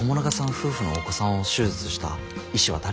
夫婦のお子さんを手術した医師は誰なんですか？